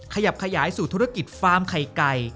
ขยับขยายสู่ธุรกิจฟาร์มไข่ไก่